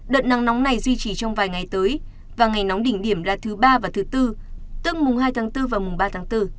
đợt nắng nóng này duy trì trong vài ngày tới và ngày nóng đỉnh điểm là thứ ba và thứ bốn tức mùng hai tháng bốn và mùng ba tháng bốn